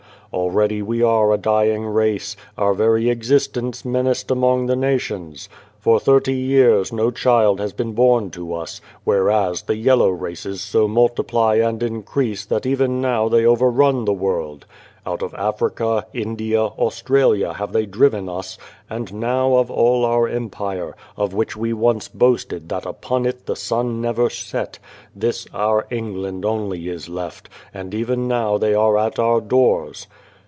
Already we are a dying race, our very existence menaced among the nations. For thirty years no child has been born to us, whereas the yellow races so multiply and 289 u A World Without a Child increase that even now they overrun the world. Out of Africa, India, Australia have they driven us, and now of all our empire, of which we once boasted that upon it the sun never set, this our England only is left, and even now they are at our doors.